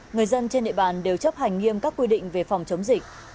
người dân trên địa bàn đều chấp hành nghiêm các quy định về phòng chống dịch